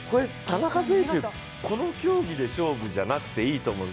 田中選手、この競技で勝負じゃなくていいと思う。